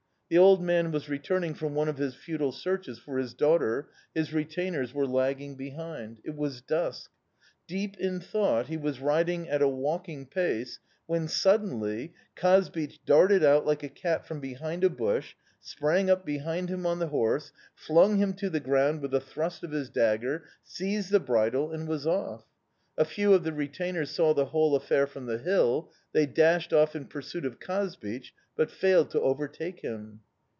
The old man was returning from one of his futile searches for his daughter; his retainers were lagging behind. It was dusk. Deep in thought, he was riding at a walking pace when, suddenly, Kazbich darted out like a cat from behind a bush, sprang up behind him on the horse, flung him to the ground with a thrust of his dagger, seized the bridle and was off. A few of the retainers saw the whole affair from the hill; they dashed off in pursuit of Kazbich, but failed to overtake him."